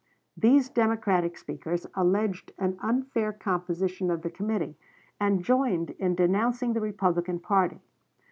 These Democratic speakers alleged an unfair composition of the committee, and joined in denouncing the Republican party.